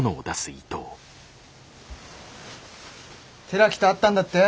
寺木と会ったんだって？